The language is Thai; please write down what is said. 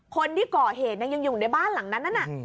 คนที่ก่อเหตุยังอยู่ในบ้านหลังนั้น